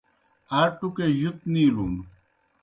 آ ٹُکے جُت نِیلُن۔